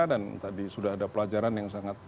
dan tadi sudah ada pelajaran yang sangat